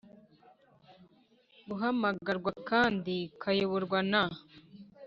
Gahamagarwa kandi kayoborwa na